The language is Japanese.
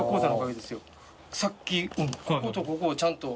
気辰こことここをちゃんと。